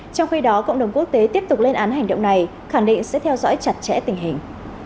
trong khi đó cộng đồng quốc tế tiếp tục lên án hành động này khẳng định sẽ theo dõi chặt chẽ tình hình